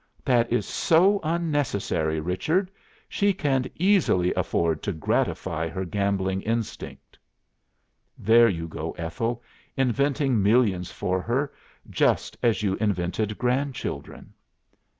"'That is so unnecessary, Richard! She can easily afford to gratify her gambling instinct.'" "'There you go, Ethel, inventing millions for her just as you invented grandchildren.